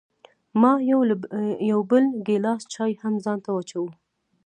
ما یو بل ګیلاس چای هم ځان ته واچوه.